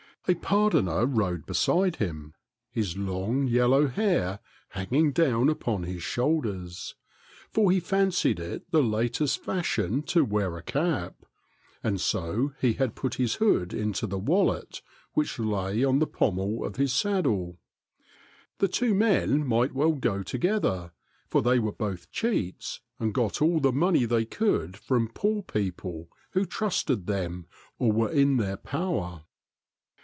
A pardoner rode beside him, his long, yellow hair hanging down upon his shoulders ; for he fancied it the latest fashion to wear a cap, and so he had put his hood into the wallet which lay on the pommel of his saddle. The two men might well go together, for they were both cheats and got all the money they could from poor poople who trusted them or were in their power.